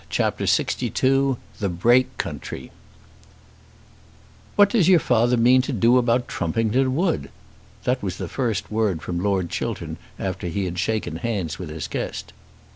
CHAPTER LXII The Brake Country "What does your father mean to do about Trumpington Wood?" That was the first word from Lord Chiltern after he had shaken hands with his guest.